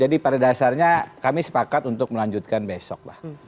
dasarnya kami sepakat untuk melanjutkan besok